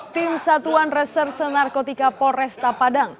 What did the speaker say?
tim satuan reserse narkotika polresta padang